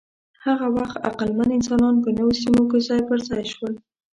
هغه وخت عقلمن انسانان په نویو سیمو کې ځای پر ځای شول.